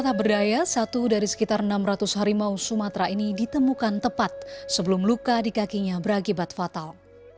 harimau sumatera ini ditemukan tepat sebelum luka di kakinya berakibat fatal